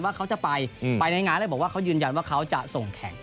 เขาจะไปไปในงานแล้วบอกว่าเขายืนยันว่าเขาจะส่งแข่ง